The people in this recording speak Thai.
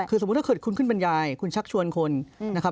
คือสมมุติถ้าเกิดคุณขึ้นบรรยายคุณชักชวนคนนะครับ